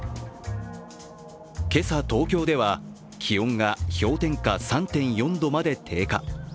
けさ、東京では気温が氷点下３．４度まで低下。